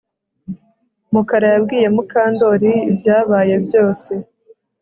Mukara yabwiye Mukandoli ibyabaye byose